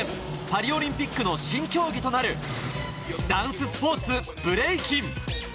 パリオリンピックの新競技となるダンススポーツ、ブレイキン。